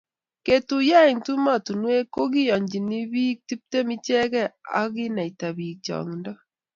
ketuiyo eng' tumotinwek ko kiyonjini biik tiptem ichegei aku kinaita biik chang'indo